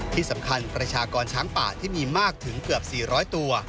ที่สำคัญประชากรช้างป่าที่มีมากถึงเกือบ๔๐๐ตัว